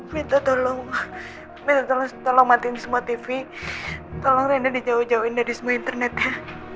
minta tolong minta tolong matiin semua tv tolong rena dijauh jauhin dari semua internetnya